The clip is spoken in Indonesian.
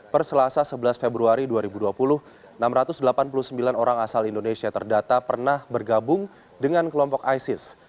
perselasa sebelas februari dua ribu dua puluh enam ratus delapan puluh sembilan orang asal indonesia terdata pernah bergabung dengan kelompok isis